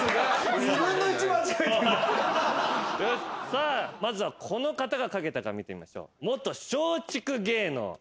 さあまずはこの方が書けたか見てみましょう。